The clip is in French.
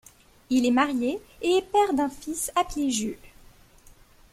Il est marié et est père d'un fils appelé Jules.